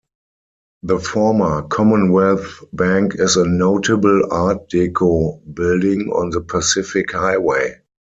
The former Commonwealth Bank is a notable art deco building on the Pacific Highway.